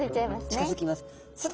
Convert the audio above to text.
近づきます。